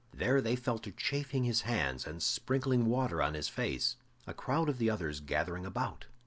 There they fell to chafing his hands and sprinkling water in his face, a crowd of the others gathering about.